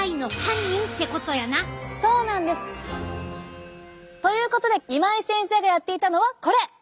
そうなんです！ということで今井先生がやっていたのはこれ！